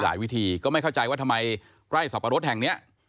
วิธีก็ไม่เข้าใจว่าทำไมไร่สับปะรดแห่งนี้